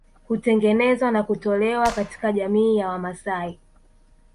Hutengenezwa na kutolewa katika jamii ya Wamasai